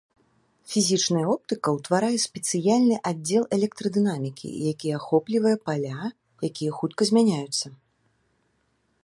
Фізічная оптыка ўтварае спецыяльны аддзел электрадынамікі, які ахоплівае паля, якія хутка змяняюцца.